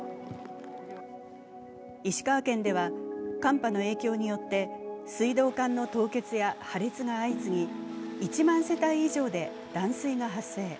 石川県では寒波の影響によって水道管の凍結や破裂が相次ぎ、１万世帯以上で断水が発生。